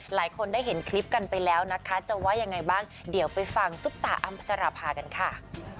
หลายคนได้เห็นคลิปกันไปแล้วนะคะจะว่ายังไงบ้างเดี๋ยวไปฟังซุปตาอำพัชราภากันค่ะ